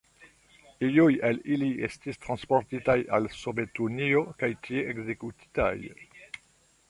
Iuj el ili estis transportitaj al Sovetunio kaj tie ekzekutitaj.